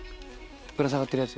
ぶら下がってるやつ。